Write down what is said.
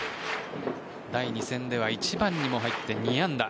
第２戦では１番にも入って２安打。